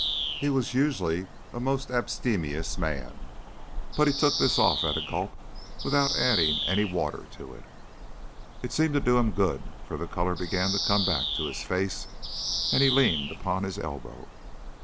He was usually a most abstemious man, but he took this off at a gulp without adding any water to it. It seemed to do him good, for the colour began to come back to his face, and he leaned upon his elbow.